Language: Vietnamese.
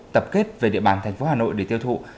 tập kết về địa bàn thành phố hà nội để tiêu thụ